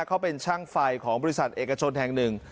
เขาเป็นช่างไฟของบริษัทเอกชนแห่งหนึ่ง